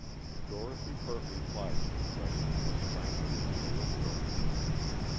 Dorothy Burt replied to the questions as frankly as they were put.